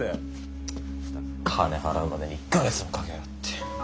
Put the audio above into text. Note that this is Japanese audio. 金払うまでに１か月もかけやがって。